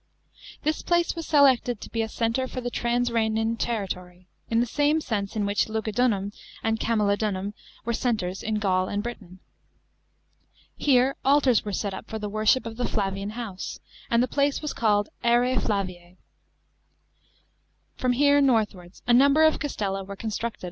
This place was selected to be a centre for the trans Khenane territory, in the same sense in which Lugudunum and Camalodunum were centres in Gaul and Britain. Here altars were set up for the worship of the Flavian house, and the place was called Arse Flavice. From here northwards a number of castella wore constructed